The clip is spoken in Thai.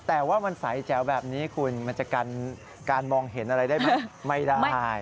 แต่ว่ามันใสแจ๋วแบบนี้คุณมันจะกันการมองเห็นอะไรได้ไหมไม่ได้